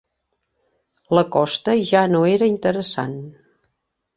La costa ja no era interessant.